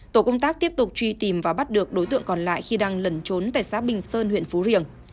tổ công tác tiếp tục truy tìm và bắt được đối tượng còn lại khi đang lẩn trốn tại xã bình sơn huyện phú riềng